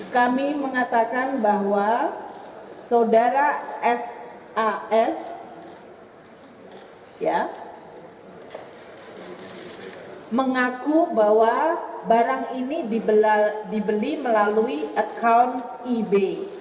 kami mengatakan bahwa saudara sas mengaku bahwa barang ini dibeli melalui account eb